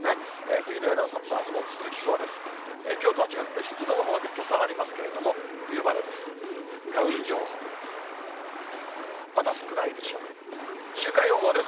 冬のような寒さ、あすも続きそうです。